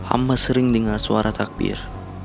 amba sering dengar suara takbir